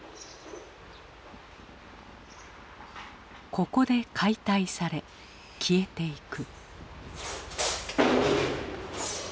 ここで解体され消えていく。